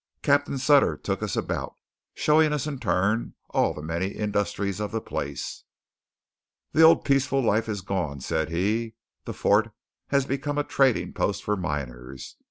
Captain Sutter took us about, showing us in turn all the many industries of the place. "The old peaceful life is gone," said he. "The fort has become a trading post for miners.